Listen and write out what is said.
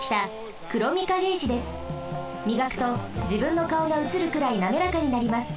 みがくとじぶんのかおがうつるくらいなめらかになります。